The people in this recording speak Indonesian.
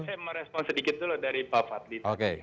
saya mau respon sedikit dulu dari pak fadli